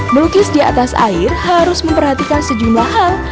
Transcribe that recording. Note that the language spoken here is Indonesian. melukis di atas air harus memperhatikan sejumlah hal